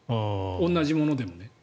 同じものでもね。